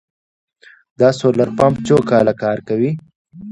د سولر پمپ څو کاله کار کوي؟